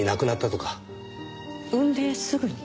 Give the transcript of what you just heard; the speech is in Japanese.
産んですぐに？